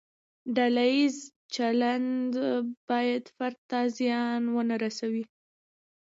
ډله ییز چلند باید فرد ته زیان ونه رسوي.